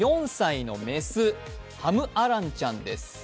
４歳の雌、ハムアランちゃんです。